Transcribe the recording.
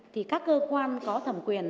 thì các cơ quan có thẩm quyền